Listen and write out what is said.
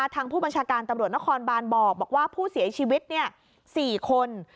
ทางผู้บัญชาการตำรวจนครบานบอกว่าผู้เสียชีวิต๔คน